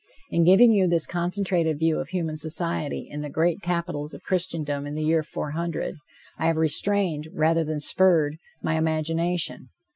In giving you this concentrated view of human society in the great capitals of Christendom in the year 400, I have restrained, rather than spurred, my imagination.